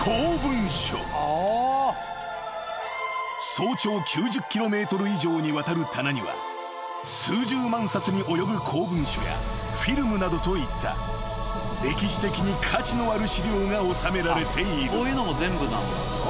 ［総長９０ｋｍ以上にわたる棚には数十万冊に及ぶ公文書やフィルムなどといった歴史的に価値のある資料が収められている］